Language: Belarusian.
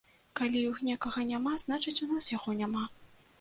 Калі ў іх некага няма, значыць у нас яго няма.